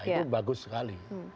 itu bagus sekali